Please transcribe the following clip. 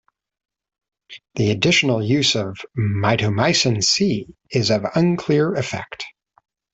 The additional use of mitomycin C is of unclear effect.